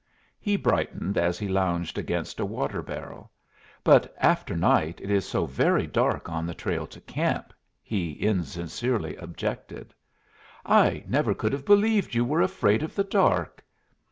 He brightened as he lounged against a water barrel. "But after night it is so very dark on the trail to camp," he insincerely objected. "I never could have believed you were afraid of the dark."